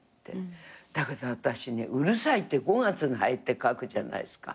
だけど私ね「うるさい」って「五月の蠅」って書くじゃないですか。